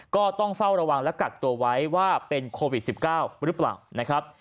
ก็ต้องเฝ้าระวังและกักตัวไว้ว่าเป็นโควิด๑๙หรือเปล่านะครับ